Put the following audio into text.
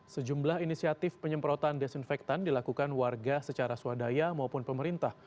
sejumlah inisiatif penyemprotan desinfektan dilakukan warga secara swadaya maupun pemerintah